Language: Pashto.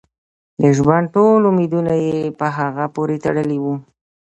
د ژوند ټول امیدونه یې په هغه پورې تړلي وو.